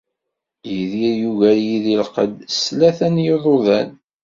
Yidir yugar-iyi di lqedd s tlata n yiḍudan.